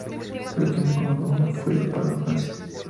Se desconoce cómo el volumen fue a parar a Francia.